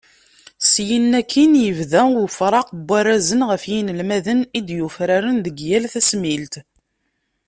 Syin akkin, yebda ufraq n warrazen ɣef yinelmaden i d-yufraren deg yal tasmilt.